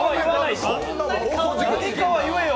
何かは言えよ。